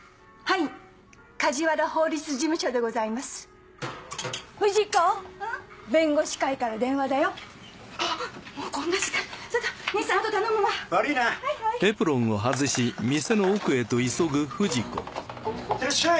いってらっしゃい！